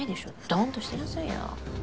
ドンとしてなさいよ。